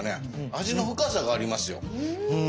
味の深さがありますようん。